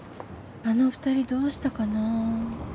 あの２人どうしたかなぁ？